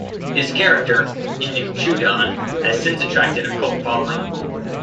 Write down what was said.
His character Induchoodan has since attracted a cult following.